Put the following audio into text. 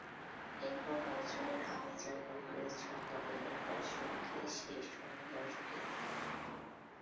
এরপর নজরুলের আমি যার নূপুরের ছন্দ বেণুকার সুর কে সেই সুন্দর কে?